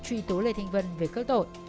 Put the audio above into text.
truy tố lê thanh vân về cơ tội